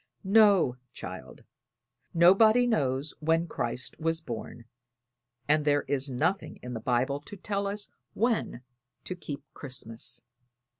"No, child; nobody knows when Christ was born, and there is nothing in the Bible to tell us when to keep Christmas."